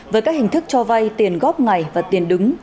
với các hình thức cho vay tiền góp ngày và tiền đứng